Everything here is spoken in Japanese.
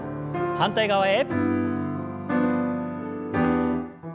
反対側へ。